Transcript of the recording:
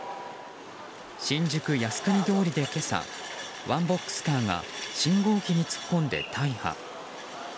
新宿・靖国通りで今朝ワンボックスカーが信号機に突っ込んで大破。